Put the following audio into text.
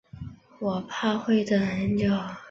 我怕会等很久